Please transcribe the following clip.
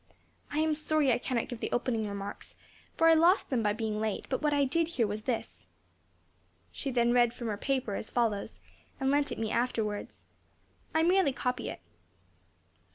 I am sorry I cannot give the opening remarks, for I lost them by being late; but what I did hear was this." She then read from her paper as follows, and lent it me afterwards. I merely copy it.